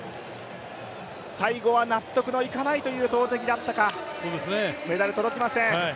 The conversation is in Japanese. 最後は納得のいかないという投てきだったか、メダル届きません。